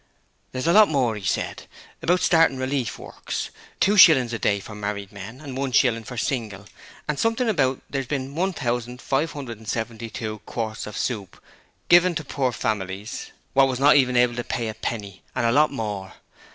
'There's a lot more,' he said, 'about starting relief works: two shillings a day for married men and one shilling for single and something about there's been 1,572 quarts of soup given to poor families wot was not even able to pay a penny, and a lot more.